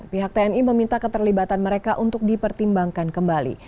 pihak tni meminta keterlibatan mereka untuk dipertimbangkan kembali